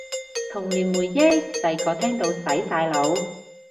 童年回憶，細個聽到洗晒腦